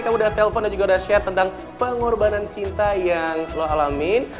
kalau udah telfon dan juga udah share tentang pengorbanan cinta yang lo alamin